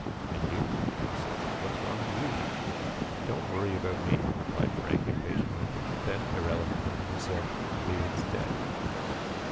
"And you," he said, "what is wrong with you?" "Don't worry about me," replied Frank impatiently. Then, irrelevantly, he said "Leland's dead."